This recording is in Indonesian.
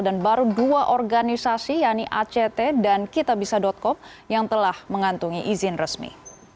dan baru dua organisasi yaitu act dan kitabisa com yang telah mengantungi izin resmi